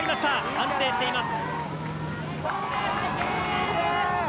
安定しています。